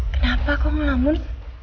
kenapa kau ngelamun